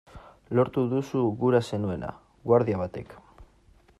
Lortu duzu gura zenuena!, guardia batek.